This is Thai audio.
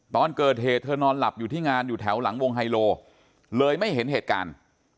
ตอนเกิดเหตุเธอนอนหลับอยู่ที่งานอยู่แถวหลังวงไฮโลเลยไม่เห็นเหตุการณ์